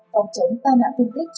phòng chống tai nạn thương tích